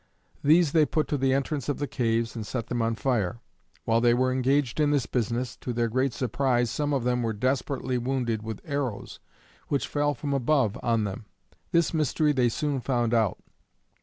These they put to the entrance of the caves and set them on fire. While they were engaged in this business, to their great surprise some of them were desperately wounded with arrows which fell from above on them. This mystery they soon found out.